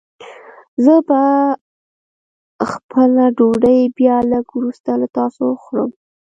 زه به خپله ډوډۍ بيا لږ وروسته له تاسو وخورم.